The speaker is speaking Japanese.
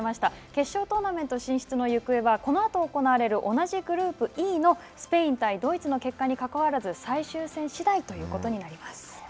決勝トーナメント進出の行方は、このあと行われる同じグループＥのスペイン対ドイツの結果にかかわらず、最終戦しだいということになります。